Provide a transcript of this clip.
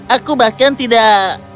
aku bahkan tidak